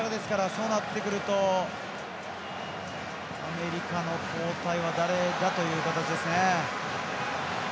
そうなってくると交代は誰かという形ですね。